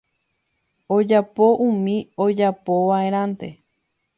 Ojapo umi ojapovaʼerãnte.